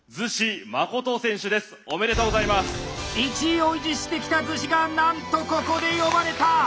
１位を維持してきた厨子がなんとここで呼ばれた！